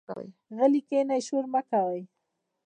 غلي کېنئ، شور مۀ کوئ.